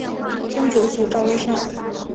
曾祖父赵愈胜。